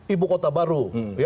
ibu kota baru